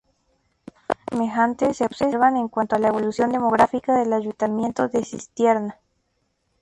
Datos semejantes se observan en cuanto a la evolución demográfica del ayuntamiento de Cistierna.